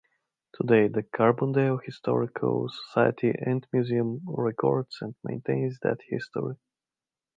Today, the Carbondale Historical Society and Museum records and maintains that history.